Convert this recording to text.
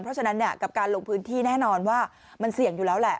เพราะฉะนั้นกับการลงพื้นที่แน่นอนว่ามันเสี่ยงอยู่แล้วแหละ